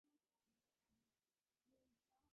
ތަކެތި ސަޕްލައި ކޮށްދެއްވާނޭ ފަރާތެއް ހޯދުމަށް